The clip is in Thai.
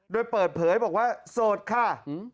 โดยเปิดเผยบอกว่าโสดค่ะ